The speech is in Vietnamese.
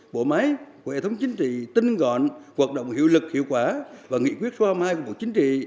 bộ máy của hệ thống chính trị tinh gọn hoạt động hiệu lực hiệu quả và nghị quyết số hai của bộ chính trị